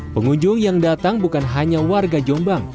pengunjung yang datang bukan hanya warga jombang